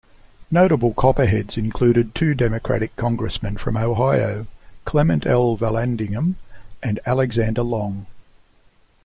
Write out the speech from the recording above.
Notable Copperheads included two Democratic congressmen from Ohio: Clement L. Vallandigham and Alexander Long.